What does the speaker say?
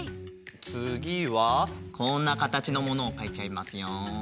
つぎはこんなかたちのものをかいちゃいますよ。